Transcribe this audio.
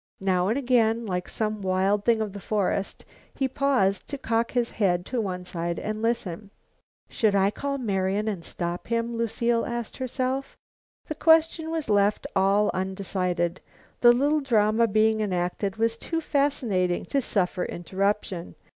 Now and again, like some wild thing of the forest, he paused to cock his head to one side and listen. "Should I call Marian and stop him?" Lucile asked herself. The question was left all undecided. The little drama being enacted was too fascinating to suffer interruption.